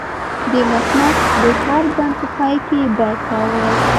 د مخمس د هر بند په پای کې بیت راوړل.